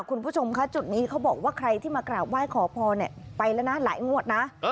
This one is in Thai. คุณผู้ชมคะจุดนี้เขาบอกว่าใครที่มากราบไหว้ขอพรไปแล้วนะหลายงวดนะ